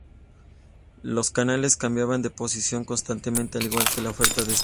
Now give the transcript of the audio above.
Los canales cambiaban de posición constantemente al igual que la oferta de estos.